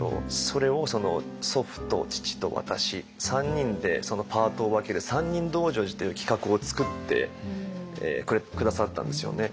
それを祖父と父と私３人でパートを分ける「三人道成寺」という企画を作って下さったんですよね。